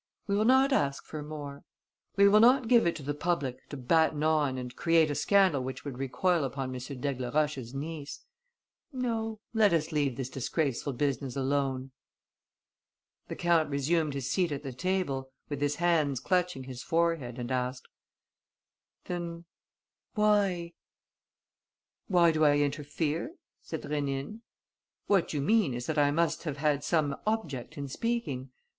We will not ask for more. We will not give it to the public to batten on and create a scandal which would recoil upon M. d'Aigleroche's niece. No, let us leave this disgraceful business alone." The count resumed his seat at the table, with his hands clutching his forehead, and asked: "Then why ...?" "Why do I interfere?" said Rénine. "What you mean is that I must have had some object in speaking.